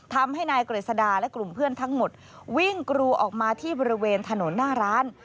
ทำให้นายกฤษดาและกลุ่มเพื่อนทั้งหมดวิ่งกรูออกมาที่บริเวณถนนหน้าร้าน